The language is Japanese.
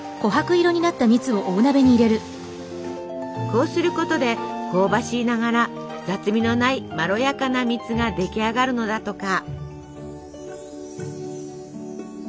こうすることで香ばしいながら雑味のないまろやかな蜜が出来上がるのだとか。